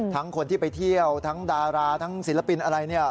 คนที่ไปเที่ยวทั้งดาราทั้งศิลปินอะไรเนี่ย